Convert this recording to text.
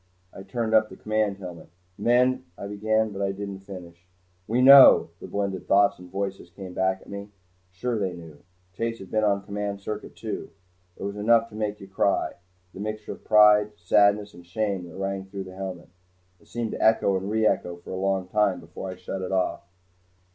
I turned up the command helmet. "Men " I began, but I didn't finish. "We know," the blended thoughts and voices came back at me. Sure they knew! Chase had been on command circuit too. It was enough to make you cry the mixture of pride, sadness and shame that rang through the helmet. It seemed to echo and reecho for a long time before I shut it off.